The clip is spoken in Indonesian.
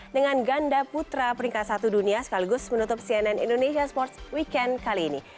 dengan ganda putra peringkat satu dunia sekaligus menutup cnn indonesia sports weekend kali ini